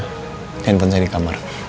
hentan saya di kamar